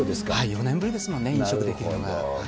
４年ぶりですもんね、飲食できるのが。